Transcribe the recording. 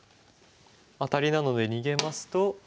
アタリなので逃げますと。